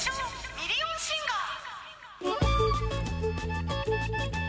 ミリオンシンガー・